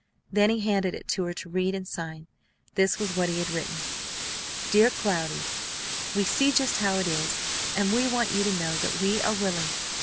Then he handed it to her to read and sign. This was what he had written: "DEAR CLOUDY: We see just how it is, and we want you to know that we are willing.